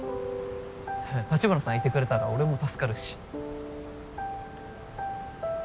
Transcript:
城華さんいてくれたら俺も助かるし。